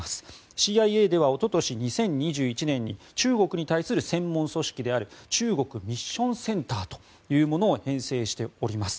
ＣＩＡではおととし２０２１年に中国に対する専門組織である中国ミッションセンターというものを編成しております。